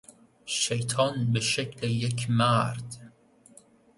شیطان به شکل یک مرد